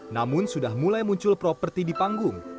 namun sudah mulai muncul properti di panggung